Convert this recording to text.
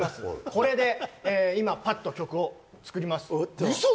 これでパッと曲を作ります。